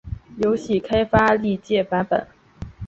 游戏开发历届版本